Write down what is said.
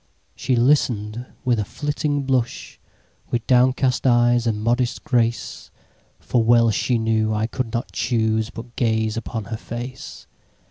She listen'd with a flitting blush, With downcast eyes and modest grace; For well she knew, I could not chooseBut gaze upon her face.